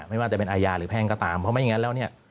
ไม่ว่าจะเป็นอาญาหรือแพ่งก็ตามเพราะไม่อย่างนั้นแล้วเนี่ย